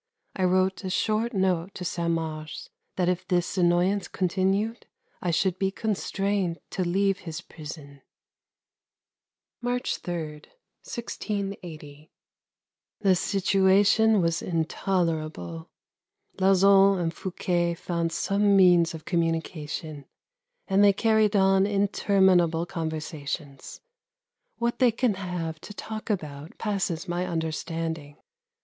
I wrote a short note to Saint Mars that if this annoyance continued I should be constrained to leave his prison. March 3, 1680. The situation was intolerable. Lauzun and Fouquet found some means of communication and they carried on interminable conversations. What they can have to talk about passes my understanding.